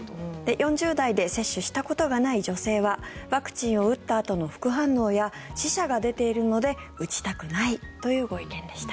４０代で接種したことがない女性はワクチンを打ったあとの副反応や死者が出ているので打ちたくないというご意見でした。